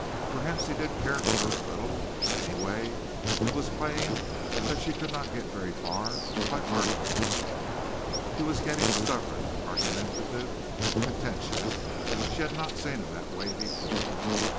Perhaps he did care for her a little. Anyway it was plain that she could not get very far by arguing with him he was getting stubborn, argumentative, contentious. She had not seen him that way before.